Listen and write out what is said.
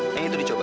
yang itu dicoba